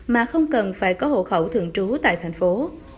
mà không cần phải có hộ khẩu thường trú tại thành phố